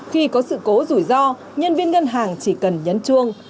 khi có sự cố rủi ro nhân viên ngân hàng chỉ cần nhấn chuông